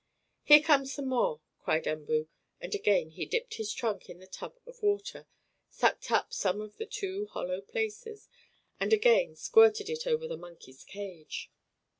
"Here comes some more!" cried Umboo, and again he dipped his trunk in the tub of water, sucked up some in the two hollow places, and again squirted it over the monkeys' cage.